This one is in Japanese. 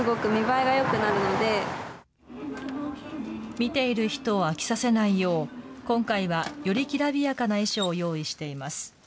見ている人を飽きさせないよう、今回はよりきらびやかな衣装を用意しています。